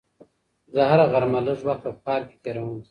زه هره غرمه لږ وخت په پارک کې تېروم.